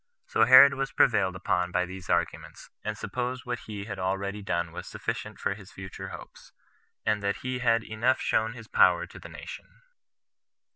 So Herod was prevailed upon by these arguments, and supposed that what he had already done was sufficient for his future hopes, and that he had enough shown his power to the nation.